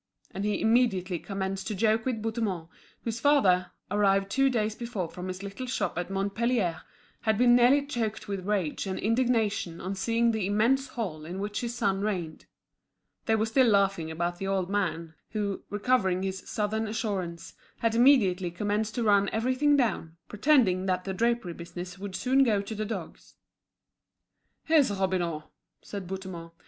And he immediately commenced to joke with Bouthemont, whose father, arrived two days before from his little shop at Montpellier, had been nearly choked with rage and indignation on seeing the immense hall in which his son reigned. They were still laughing about the old man, who, recovering his Southern assurance, had immediately commenced to run everything down, pretending that the drapery business would soon go to the dogs. "Here's Robineau," said Bouthemont.